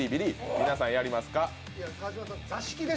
皆さんやりますか？